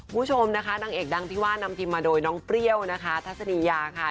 คุณผู้ชมนะคะนางเอกดังที่ว่านำทีมมาโดยน้องเปรี้ยวนะคะทัศนียาค่ะ